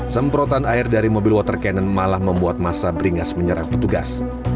semprotan air dari mobil water cannon malah membuat masa beringas menyerang petugas